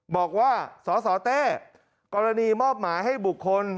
บอกว่าสสเต้กรณีมอบหมายให้บุคคล